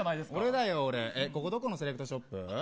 ここどこのセレクトショップ。